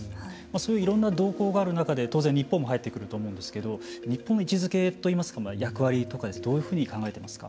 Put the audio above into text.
そういういろんな動向がある中で当然日本も入ってくると思うんですけど日本の位置づけといいますか役割とかですねどういうふうに考えてますか。